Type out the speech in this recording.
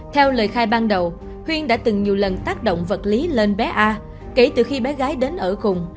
theo lời khai ban đầu huyên đã từng nhiều lần tác động vật lý lên bé a kể từ khi bé gái đến ở cùng